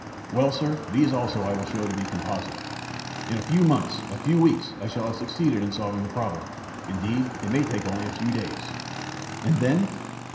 "Well, sir, these also I will show to be composite. In a few months, a few weeks, I shall have succeeded in solving the problem. Indeed, it may take only a few days." "And then?"